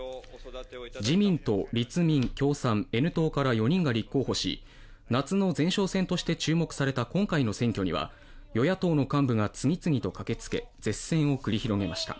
自民と立民・共産・Ｎ党から４人が立候補し、夏の前哨戦として注目された今回の選挙には与野党の幹部が次々と駆けつけ舌戦を繰り広げました。